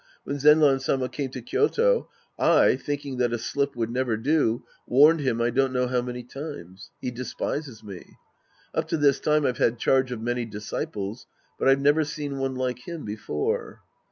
When Zenran Sama came to Kyoto, I, thinking that a slip would never do, warned him I don't know how many times. He despises me. Up to this time I've had charge of many disciples, but I've never seen one like him before.